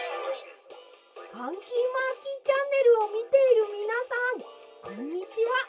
「『ファンキーマーキーチャンネル』をみているみなさんこんにちは！